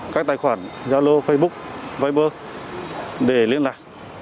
các tài khoản gia lô facebook viber để liên lạc